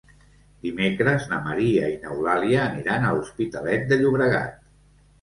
Dimecres na Maria i n'Eulàlia aniran a l'Hospitalet de Llobregat.